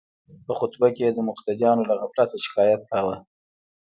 په خطبه کې د مقتدیانو له غفلته شکایت کاوه.